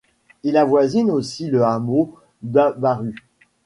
Il avoisine aussi le hameau d'Habaru.